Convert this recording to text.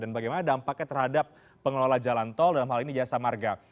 dan bagaimana dampaknya terhadap pengelola jalan tol dalam hal ini jasa marga